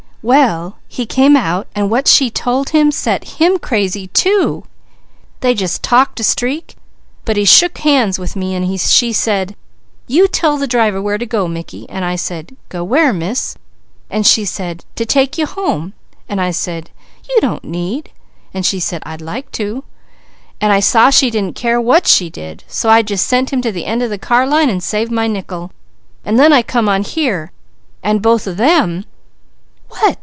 "Well he came out and what she had told him, set him crazy too. They just talked a streak, but he shook hands with me, and she said, 'You tell the driver where to go Mickey,' and I said, 'Go where, Miss?' and she said, 'To take you home,' and I said, 'You don't need!' and she said, 'I'd like to!' and I saw she didn't care what she did, so I just sent him to the end of the car line and saved my nickel, and then I come on here, and both of them " "What?"